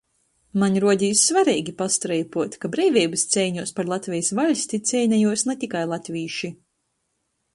Maņ ruodīs svareigi pastreipuot, ka Breiveibys ceiņuos par Latvejis vaļsti ceinejuos na tikai latvīši.